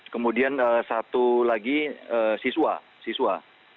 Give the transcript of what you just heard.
kemudian satu lagi siswa